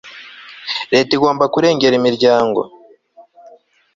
leta igomba kurengera imiryango